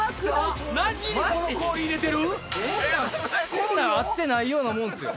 こんなんあってないようなもんっすよ。